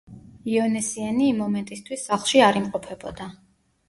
იონესიანი იმ მომენტისთვის სახლში არ იმყოფებოდა.